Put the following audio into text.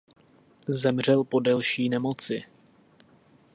Zemřel po delší nemoci.